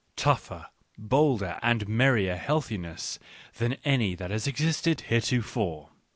tougher, bolder, and merrier healthiness than any I that has existed heretofore.